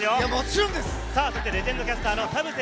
レジェンドキャスターの田臥